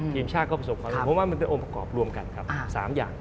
ทีมชาติก็ประสบความว่ามันเป็นองค์ประกอบรวมกันครับ๓อย่าง